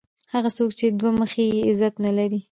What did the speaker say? هغه څوک چي دوه مخی يي؛ عزت نه لري.